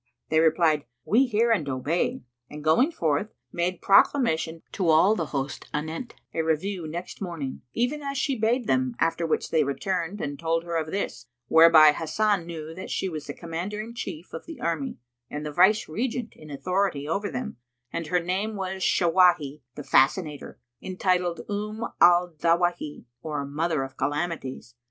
They replied, "We hear and we obey," and going forth, made proclamation to all the host anent a review next morning, even as she bade them, after which they returned and told her of this; whereby Hasan knew that she was the Commander in chief of the army and the Viceregent in authority over them; and her name was Shawahí the Fascinator, entituled Umm al Dawáhi, or Mother of Calamities.